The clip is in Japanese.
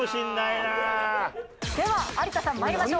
では有田さん参りましょう。